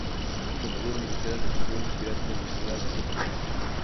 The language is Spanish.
Su andadura universitaria transcurrió en los "Pirates" de la Universidad Seton Hall.